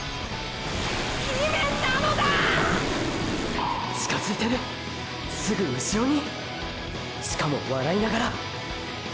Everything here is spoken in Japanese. ヒメなのだ！！っ！！近づいてる⁉すぐうしろに⁉しかも笑いながら！！